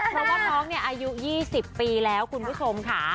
เพราะว่าน้องเนี่ยอายุ๒๐ปีแล้วคุณผู้ชมค่ะ